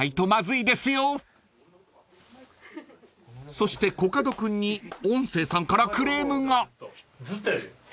［そしてコカド君に音声さんからクレームが］